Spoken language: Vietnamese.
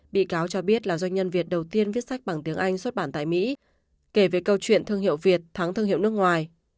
bị cáo cho biết là doanh nhân việt đầu tiên viết sách bằng tiếng anh xuất bản tại mỹ kể về câu chuyện thương hiệu việt thắng thương hiệu nước ngoài